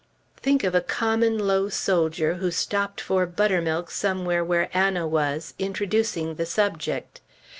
Think of a common, low soldier who stopped for buttermilk somewhere where Anna was, introducing the subject.